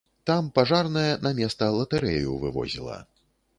Там пажарная на места латарэю вывозіла.